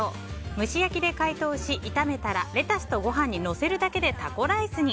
蒸し焼きで解凍し、炒めたらレタスとごはんにのせるだけでタコライスに。